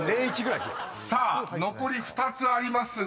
⁉［さあ残り２つありますが］